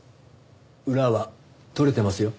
裏は取れてますよ。